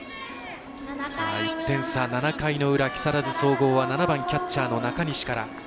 １点差、７回の裏、木更津総合は７番キャッチャーの中西から。